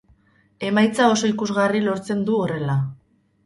Emaitza oso ikusgarri lortzen du horrela.